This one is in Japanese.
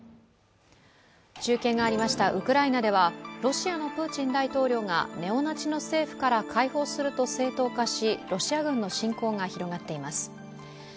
中継がありましたウクライナではロシアのプーチン大統領がネオナチの政府から解放すると正当化しロシア軍の侵攻が広がっています。